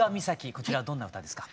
こちらどんな歌ですか？